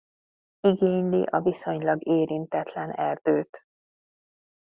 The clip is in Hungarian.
Igényli a viszonylag érintetlen erdőt.